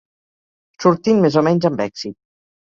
Sortint més o menys amb èxit.